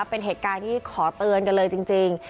เป็นเหตุการณ์ที่ขอเตือนกันเลยจริง